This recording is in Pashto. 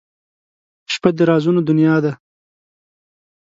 • شپه د رازونو دنیا ده.